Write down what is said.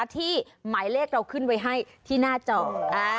ที่หมายเลขเราขึ้นไว้ให้ที่หน้าจอ